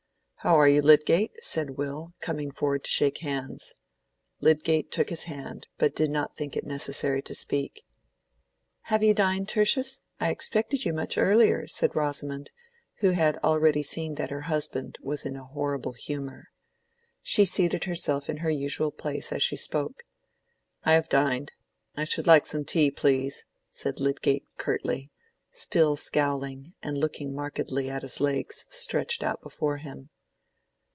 "How are you, Lydgate?" said Will, coming forward to shake hands. Lydgate took his hand, but did not think it necessary to speak. "Have you dined, Tertius? I expected you much earlier," said Rosamond, who had already seen that her husband was in a "horrible humor." She seated herself in her usual place as she spoke. "I have dined. I should like some tea, please," said Lydgate, curtly, still scowling and looking markedly at his legs stretched out before him.